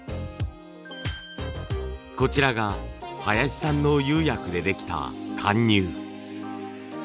こちらが林さんの釉薬でできた貫入。